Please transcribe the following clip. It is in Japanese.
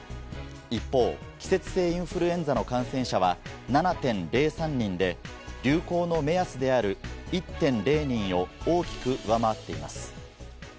一方、季節性インフルエンザの感染者は７．０３人で、流行の目安である１．０人を大きく上回っています。